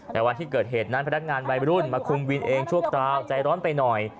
แต่วันที่เกิดเหตุนั้นพนักงานวัยรุ่นมาคุมวินเองชั่วคราวใจร้อนไปหน่อย